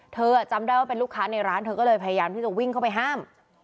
จำได้ว่าเป็นลูกค้าในร้านเธอก็เลยพยายามที่จะวิ่งเข้าไปห้าม